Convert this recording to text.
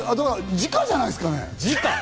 時価じゃないですかね？